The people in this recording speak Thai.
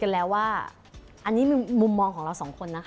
โอ้เถอะน่ารักมาก